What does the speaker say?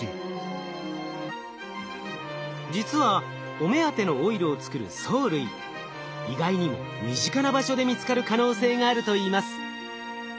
実はお目当てのオイルを作る藻類意外にも身近な場所で見つかる可能性があるといいます。